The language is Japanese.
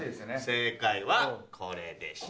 正解はこれでした。